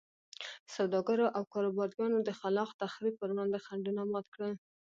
سوداګرو او کاروباریانو د خلاق تخریب پر وړاندې خنډونه مات کړل.